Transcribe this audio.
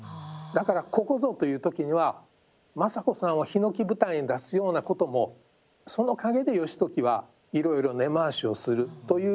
だからここぞという時には政子さんをひのき舞台に出すようなこともその陰で義時はいろいろ根回しをするというようなことだったんじゃないかな。